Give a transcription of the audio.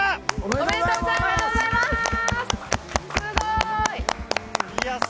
おめでとうございます！